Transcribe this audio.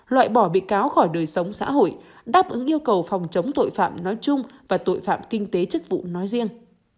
loại bỏ bị cáo khỏi đời sống xã hội đáp ứng yêu cầu phòng chống tội phạm nói chung và tội phạm kinh tế chức vụ nói riêng